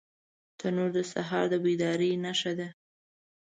تنور د سهار د بیدارۍ نښه ده